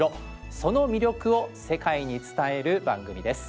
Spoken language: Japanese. その魅力を世界に伝える番組です。